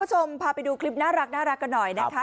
คุณผู้ชมพาไปดูคลิปน่ารักกันหน่อยนะคะ